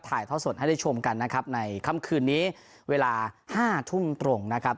ท่อสดให้ได้ชมกันนะครับในค่ำคืนนี้เวลา๕ทุ่มตรงนะครับ